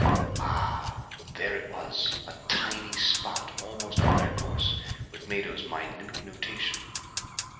Ah, there it was! A tiny spot almost on their course, with Mado's minute notation.